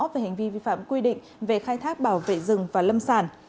về hành vi vi phạm quy định về khai thác bảo vệ rừng và lâm sản